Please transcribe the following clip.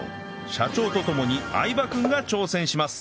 社長とともに相葉君が挑戦します